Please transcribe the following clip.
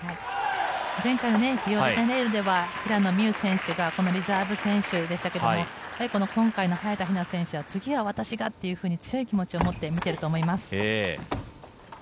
前回のリオデジャネイロでは平野美宇選手がこのリザーブ選手でしたけれども今回の早田ひな選手は次は私がと強い気持ちを持って見ていると思います。